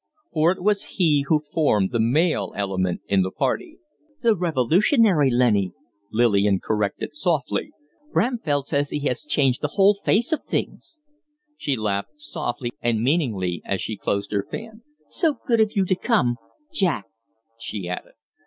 For it was he who formed the male element in the party. "The Revolutionary, Lennie!" Lillian corrected, softly. "Bramfell says he has changed the whole face of things " She laughed softly and meaningly as she closed her fan. "So good of you to come, Jack!" she added.